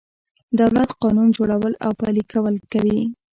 دولت قانون جوړول او پلي کول کوي.